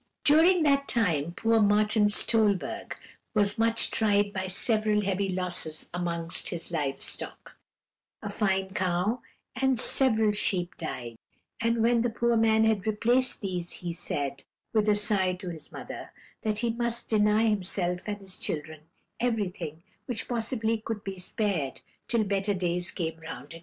"During that time poor Martin Stolberg was much tried by several heavy losses amongst his live stock: a fine cow and several sheep died, and when the poor man had replaced these, he said, with a sigh to his mother, that he must deny himself and his children everything which possibly could be spared, till better days came round again.